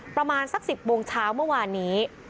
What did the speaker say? ประมาณสัก๑๐โมงเช้าเมื่อวานนี้